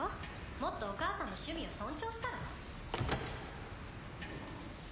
もっとお母さんの趣味を尊重したら？